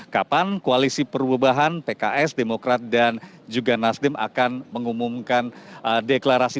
kapan koalisi perubahan pks demokrat dan juga nasdem akan mengumumkan deklarasi